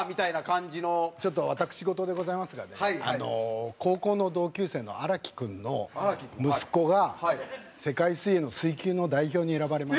ちょっと私事でございますがね高校の同級生の荒木君の息子が世界水泳の水球の代表に選ばれまして。